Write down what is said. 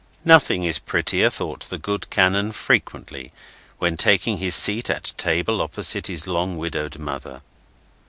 Nothing is prettier, thought the good Minor Canon frequently, when taking his seat at table opposite his long widowed mother.